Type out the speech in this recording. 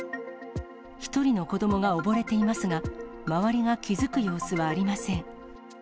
１人の子どもが溺れていますが、周りが気付く様子はありません。